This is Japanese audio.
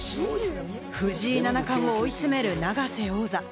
藤井七冠を追い詰める永瀬王座。